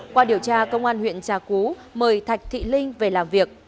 qua điều tra công an huyện trà cú mời thạch thị linh về làm việc